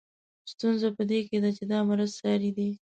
ستونزه په دې کې ده چې دا مرض ساري دی.